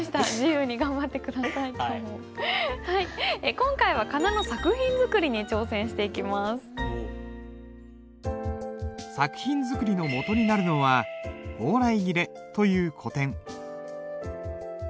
今回は作品作りのもとになるのは「蓬切」という古典。